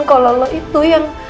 kalau lo itu yang